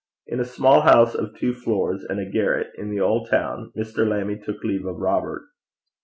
In a small house of two floors and a garret, in the old town, Mr. Lammie took leave of Robert.